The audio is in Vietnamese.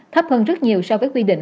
thấp hơn rất nhiều so với quy định